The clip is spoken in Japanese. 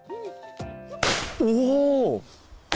おお！